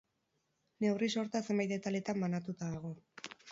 Neurri-sorta zenbait ataletan bananduta dago.